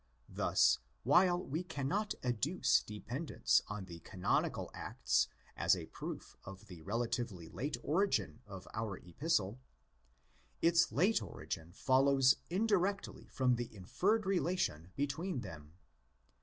Thus, while we cannot adduce dependence on the Canonical Acts as a proof of the relatively late origin of our Epistle, its late origin follows indirectly from the inferred relation between them.